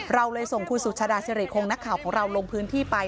เราเลยส่งคุณสุชาดาสิริคงนักข่าวของเราลงพื้นที่ไป